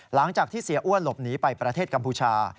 หลังจากที่เสียอ้วนหลบหนีไปประเทศกัมพูชา